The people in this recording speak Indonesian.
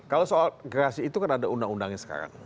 kalau soal gerasi itu kan ada undang undangnya sekarang